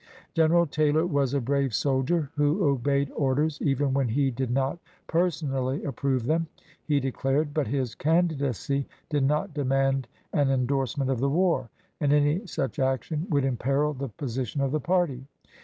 General Taylor was a brave soldier who obeyed orders even when he did not personally approve them, he declared, but his candidacy did not demand an indorse ment of the war, and any such action would imperil the position of the party.